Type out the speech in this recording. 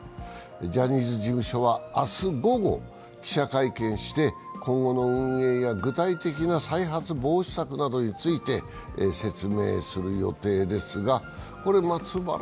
ジャニーズ事務所は明日午後、記者会見して今後の運営や具体的な再発防止策などについて説明する予定です。